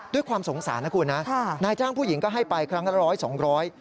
ด้วยความสงสารนะคุณนะนายจ้างผู้หญิงก็ให้ไปครั้งละร้อยสองร้อย